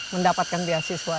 mendapatkan biaya siswa